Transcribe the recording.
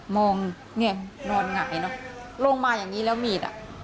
มองเนี่ยนอนหงายเนอะลงมาอย่างนี้แล้วมีดอ่ะ